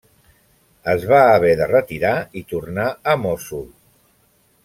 Es va haver de retirar i tornar a Mossul.